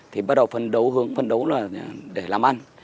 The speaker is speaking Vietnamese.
thì bắt đầu phân đấu hướng phân đấu là để làm ăn